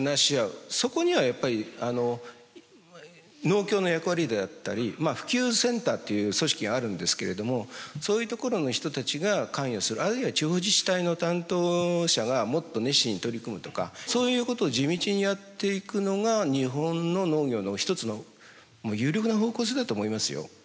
そこにはやっぱり農協の役割であったり普及センターという組織があるんですけれどもそういうところの人たちが関与するあるいは地方自治体の担当者がもっと熱心に取り組むとかそういうことを地道にやっていくのが日本の農業の一つのもう有力な方向性だと思いますよ。